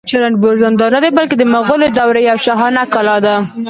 چې رنتنبور زندان نه دی، بلکې د مغولي دورې یوه شاهانه کلا ده